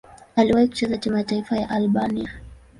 Aliwahi kucheza timu ya taifa ya Albania.